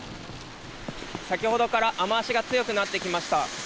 先ほどから雨脚が強くなってきました。